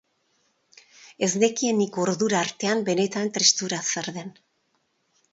Ez nekien nik ordura artean, benetan, tristura zer den.